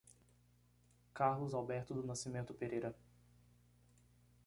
Carlos Alberto do Nascimento Pereira